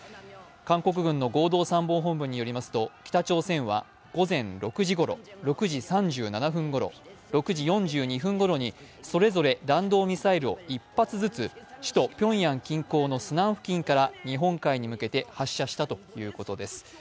韓国軍の合同参謀本部によりますと北朝鮮は午前６時ごろ、６時３７分ごろ６時４２分ごろにそれぞれ弾道ミサイルを１発ずつ、首都ピョンヤン近郊のスナン付近から日本海に向けて発射したということです。